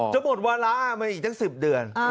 จะหมดวาระมาอีกตั้ง๑๐เดือน